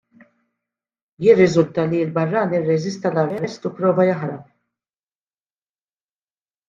Jirriżulta li l-barrani rreżista l-arrest u pprova jaħrab.